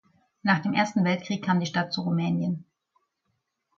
Nach dem Ersten Weltkrieg kam die Stadt zu Rumänien.